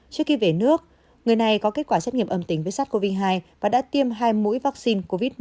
trước khi về nước người này có kết quả xét nghiệm âm tính với sars cov hai và đã tiêm hai mũi vaccine covid một mươi chín